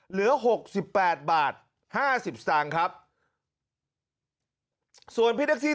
เหลือหกสิบแปดบาทห้าสิบสันครับส่วนพี่ทักซีที่